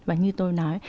và như tôi nói